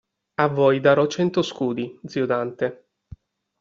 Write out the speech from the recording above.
A voi darò cento scudi, zio Dante.